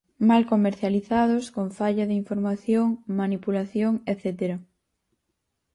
Mal comercializados, con falla de información, manipulación etcétera.